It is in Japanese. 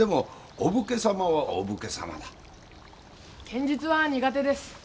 剣術は苦手です。